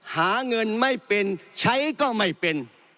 หาเงินไม่เป็นใช้ก็ไม่เป็น